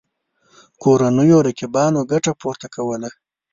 کورنیو رقیبانو ګټه پورته کوله.